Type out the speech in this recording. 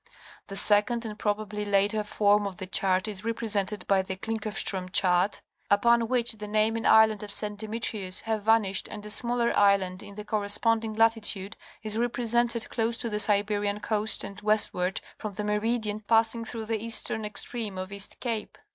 The second and probably later form of the chart is represented by the Klinckofstrém chart, upon which the name and island of St. Demetrius have vanished and a smaller island in the corresponding latitude is represented close to the Siberian coast and westward from the meridian passing through the eastern extreme of East Cape.